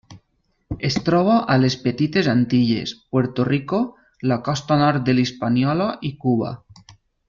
Es troba a les Petites Antilles, Puerto Rico, la costa nord de l'Hispaniola i Cuba.